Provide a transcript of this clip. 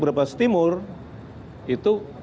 brebes timur itu